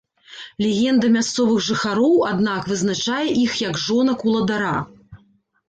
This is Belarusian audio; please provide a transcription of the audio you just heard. Легенда мясцовых жыхароў, аднак, вызначае іх як жонак уладара.